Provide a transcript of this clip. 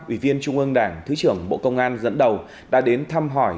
ủy viên trung ương đảng thứ trưởng bộ công an dẫn đầu đã đến thăm hỏi